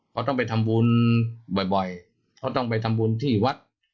เขาต้องไปทำบุญบ่อยเขาต้องไปทำบุญที่วัด